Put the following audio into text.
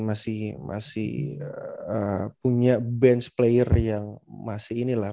masih punya bench player yang masih ini lah